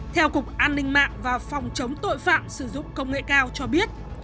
theo cục an ninh mạng và phòng chống tội phạm sử dụng công nghệ cao cho biết